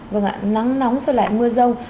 vâng ạ nắng nóng rồi lại mưa rông